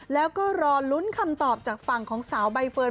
แล้วก็รอลุ้นคำตอบจากฝั่งของสาวใบเฟิร์น